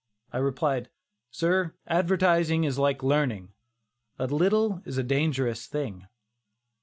I replied: "Sir, advertising is like learning 'a little is a dangerous thing.